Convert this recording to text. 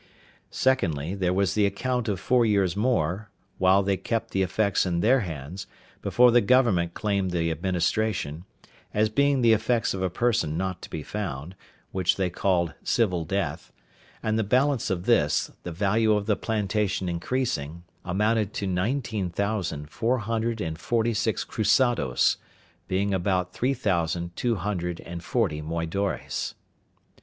Secondly, there was the account of four years more, while they kept the effects in their hands, before the government claimed the administration, as being the effects of a person not to be found, which they called civil death; and the balance of this, the value of the plantation increasing, amounted to nineteen thousand four hundred and forty six crusadoes, being about three thousand two hundred and forty moidores.